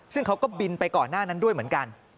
ซึ่งเขาก็บินไปก่อนหน้านั้นด้วยเหมือนกัน